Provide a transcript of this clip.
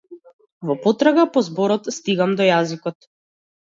Во потрага по зборот стигам до јазикот.